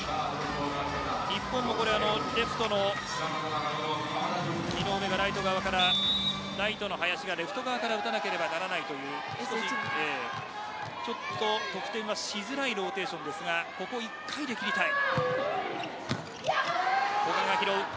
日本も、これはレフトの井上がライト側からライトの林がレフト側から打たなければならないというちょっと得点がしづらいローテーションですがここは１回で切りたい。